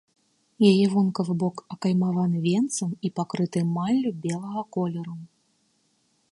Яе вонкавы бок акаймаваны венцам і пакрыты эмаллю белага колеру.